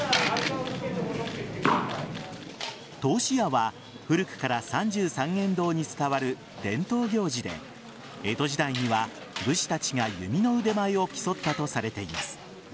通し矢は古くから三十三間堂に伝わる伝統行事で江戸時代には、武士たちが弓の腕前を競ったとされています。